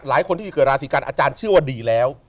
อาจารย์เชื่อว่าดีแล้ว